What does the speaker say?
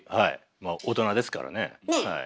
まあ大人ですからねはい。